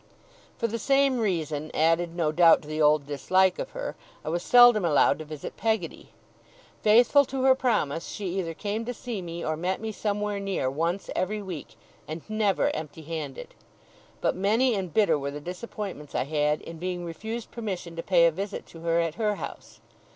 For the same reason, added no doubt to the old dislike of her, I was seldom allowed to visit Peggotty. Faithful to her promise, she either came to see me, or met me somewhere near, once every week, and never empty handed; but many and bitter were the disappointments I had, in being refused permission to pay a visit to her at her house.